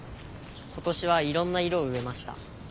今年はいろんな色を植えました。